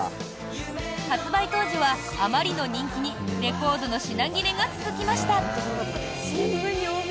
発売当時はあまりの人気にレコードの品切れが続きました。